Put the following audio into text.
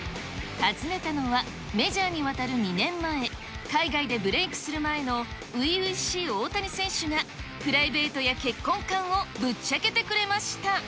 訪ねたのは、メジャーに渡る２年前、海外でブレークする前の初々しい大谷選手が、プライベートや結婚観をぶっちゃけてくれました。